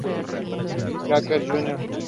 Jacques Jr.